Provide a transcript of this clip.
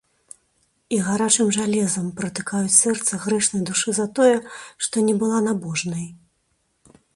І гарачым жалезам пратыкаюць сэрца грэшнай душы за тое, што не была набожнай.